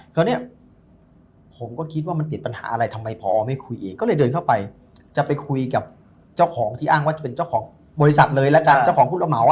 คราวนี้ผมก็คิดว่ามันติดปัญหาอะไรทำไมพอไม่คุยเอง